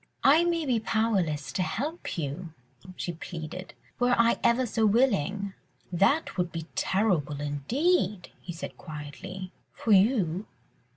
"I may be powerless to help you," she pleaded, "were I ever so willing." "That would be terrible indeed," he said quietly, "for you